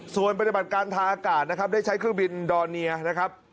ส่วนปฏิบัติการทางอากาศนะครับได้ใช้เครื่องบินดอร์เนียนะครับ